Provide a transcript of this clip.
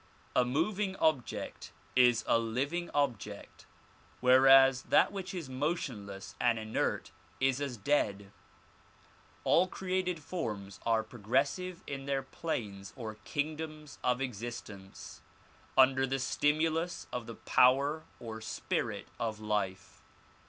A mov ing object is a living object whereas that which is motionless and inert is as dead. All created forms are progressive in their planes or kingdoms of existence under the stimulus of the power or spirit of life.